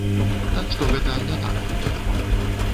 Так што гэта не так хутка.